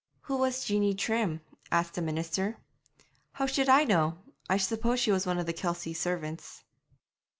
'Who was Jeanie Trim?' asked the minister. 'How should I know? I suppose she was one of the Kelsey servants.'